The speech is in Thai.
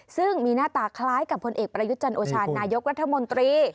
ซึ่งมีหน้าตาคล้ายกับผลเอกประยุทธ์จันโอชาญนายกรัฐมนตรี